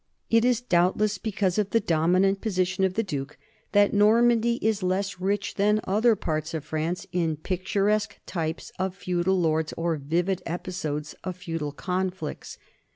It is doubtless because of the dominant position of the duke that Normandy is less rich than some other parts of France in picturesque types of feudal lords or vivid episodes of feudal conflicts.